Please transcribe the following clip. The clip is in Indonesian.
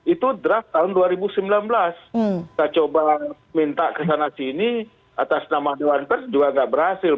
itu draft tahun dua ribu sembilan belas kita coba minta kesana sini atas nama dewan pers juga nggak berhasil